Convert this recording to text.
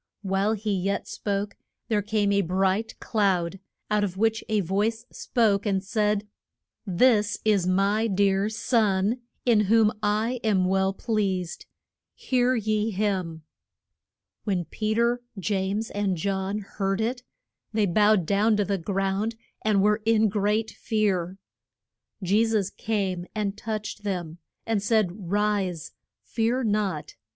While he yet spoke there came a bright cloud, out of which a voice spoke and said, This is my dear Son, in whom I am well pleased. Hear ye him. When Pe ter, James, and John heard it, they bowed down to the ground, and were in great fear. Je sus came and touched them, and said, Rise. Fear not.